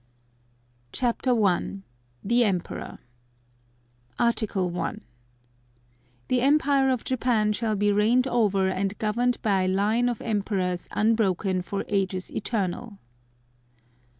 CHAPTER I. THE EMPEROR Article 1. The Empire of Japan shall be reigned over and governed by a line of Emperors unbroken for ages eternal.